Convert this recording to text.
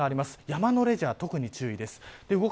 山のレジャーは特に注意です。